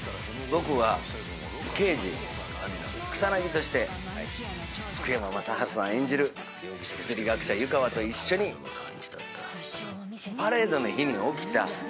僕は刑事草薙として福山雅治さん演じる物理学者湯川と一緒にパレードの日に起きた完全犯罪。